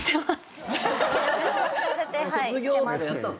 「卒業！」とかやったの？